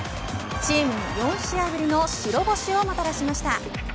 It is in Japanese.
チームに４試合ぶりの白星をもたらしました。